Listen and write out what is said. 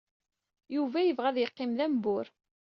Yuba yebɣa ad yeqqim d ambur.